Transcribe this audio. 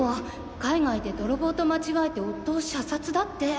海外で泥棒と間違えて夫を射殺だって。